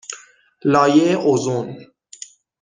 لایه اوزون